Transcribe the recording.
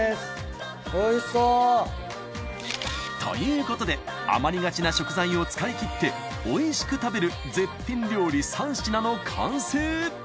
おいしそう！ということで余りがちな食材を使い切って美味しく食べる絶品料理３品の完成！